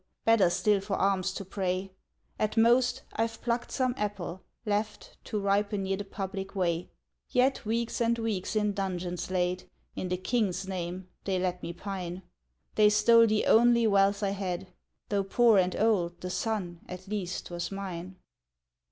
better still for alms to pray! At most, I've plucked some apple, left To ripen near the public way, Yet weeks and weeks, in dungeons laid In the king's name, they let me pine; They stole the only wealth I had, Though poor and old, the sun, at least, was mine.